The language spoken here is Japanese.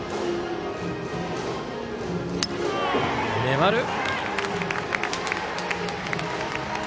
粘る！